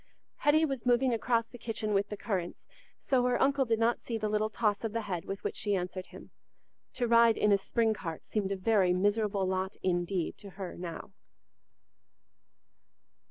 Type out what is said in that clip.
Hetty was moving across the kitchen with the currants, so her uncle did not see the little toss of the head with which she answered him. To ride in a spring cart seemed a very miserable lot indeed to her now.